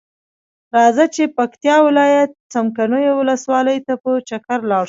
راځۀ چې پکتیا ولایت څمکنیو ولسوالۍ ته په چکر لاړشو.